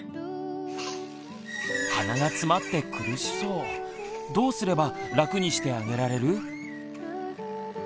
鼻がつまって苦しそうどうすれば楽にしてあげられる？